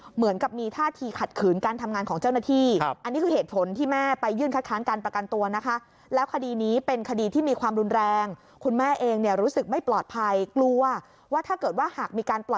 เหมือนกับมีท่าทีขัดขืนการทำงานของเจ้าหน้าที่